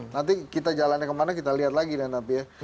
nanti kita jalannya kemana kita lihat lagi deh nanti ya